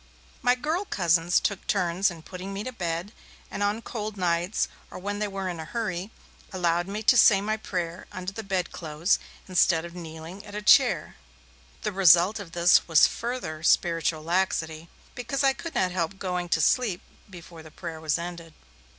My girl cousins took turns in putting me to bed, and on cold nights, or when they were in a hurry, allowed me to say my prayer under the bed clothes instead of kneeling at a chair. The result of this was further spiritual laxity, because I could not help going to sleep before the prayer was ended.